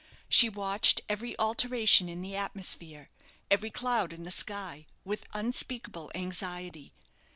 She watched every alteration in the atmosphere, every cloud in the sky, with unspeakable anxiety.